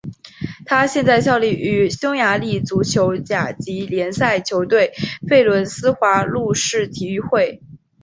他现在效力于匈牙利足球甲级联赛球队费伦斯华路士体育会。